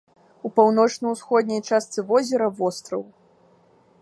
У паўночна-ўсходняй частцы возера востраў.